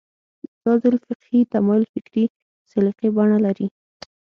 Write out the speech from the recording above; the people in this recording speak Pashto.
دا ځل فقهي تمایل فکري سلیقې بڼه لري